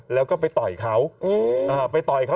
แล้วก็ไปต่อยเขาไปต่อยเขา